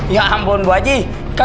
ya ampun gue aja